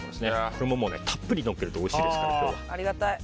これもたっぷりのせるとおいしいですから。